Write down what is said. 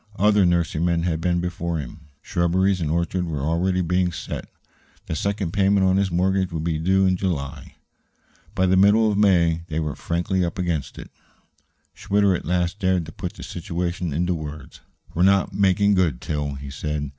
Other nurserymen had been before him; shrubberies and orchards were already being set out. The second payment on his mortgage would be due in July. By the middle of May they were frankly up against it. Schwitter at last dared to put the situation into words. "We're not making good, Til," he said.